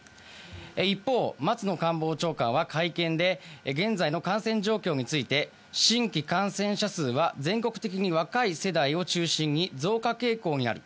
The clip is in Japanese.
一方、松野官房長官は会見で、現在の感染状況について、新規感染者数は全国的に若い世代を中心に増加傾向にある。